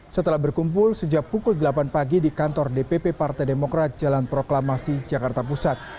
setelah berkumpul sejak pukul delapan pagi di kantor dpp partai demokrat jalan proklamasi jakarta pusat